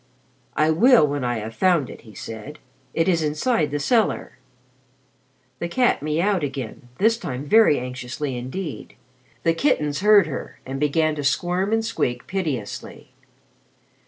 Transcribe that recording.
"I will when I have found it," he said. "It is inside the cellar." The cat miaued again, this time very anxiously indeed. The kittens heard her and began to squirm and squeak piteously.